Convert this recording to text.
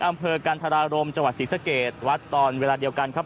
อำเภอกันธรารมจังหวัดศรีสะเกดวัดตอนเวลาเดียวกันครับ